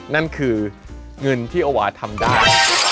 นั่นคือเงินที่โอวาทำได้